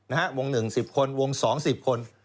นะฮะวงหนึ่ง๑๐คนวงสอง๑๐คน